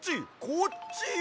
こっちよ！